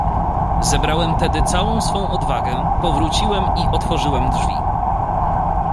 "Zebrałem tedy całą swą odwagę, powróciłem i otworzyłem drzwi."